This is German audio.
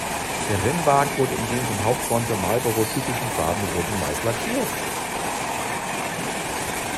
Der Rennwagen wurde in den vom Hauptsponsor Marlboro typischen Farben Rot und Weiß lackiert.